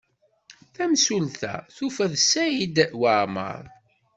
Tamsulta tufa-d Saɛid Waɛmaṛ.